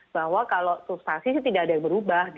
bahwa kalau substansi itu tidak ada yang berubah